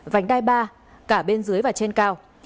vành đai ba cả bên dưới và trên cao